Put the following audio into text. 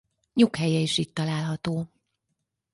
Nyughelye is itt található.